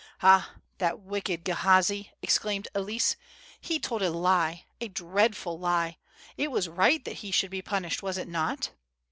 "Ah! that wicked Gehazi!" exclaimed Elsie; "he told a lie, a dreadful lie! It was right that he should be punished, was it not?"